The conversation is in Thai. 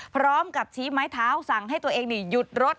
พร้อมกับชี้ไม้เท้าสั่งให้ตัวเองหยุดรถ